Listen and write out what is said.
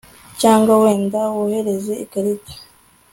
Cyangwa wenda wohereze ikarita